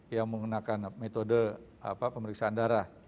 yang menggunakan metode pemeriksaan darah